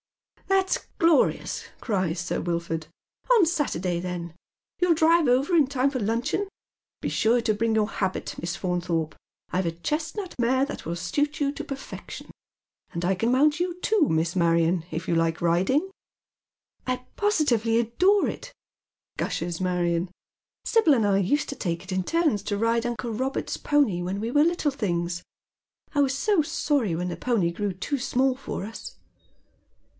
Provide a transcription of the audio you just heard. "That's glorious," cries Sir Wilford, "On Saturday, then. You'll drive over in time for luncheon ? Be sure you bring your habit. Miss Faunthorpe. I've a chestnut mare that will suit you to perfection. And I can mount you too, Miss Marion, if you like riding ?" "I positively adore it," gushes Marion. "Sibyl and I used to take it in turns to ride uncle Eobert's pony when we were little things. I was so sorry when the pony grew too small for us."